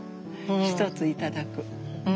１つ頂く。